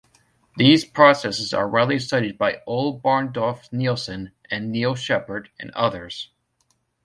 These processes are widely studied by Ole Barndorff-Nielsen and Neil Shephard, and others.